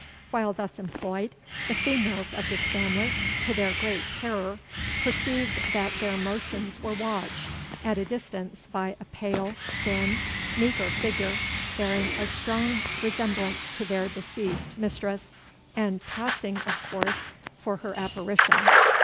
While thus employed, the females of this family, to their great terror, perceived that their motions were watched at a distance by a pale, thin, meagre figure, bearing a strong resemblance to their deceased mistress, and passing, of course, for her apparition.